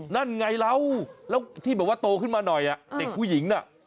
นั่นไงแล้วแล้วที่โตขึ้นมาหน่อยเด็กผู้หญิงน่ะ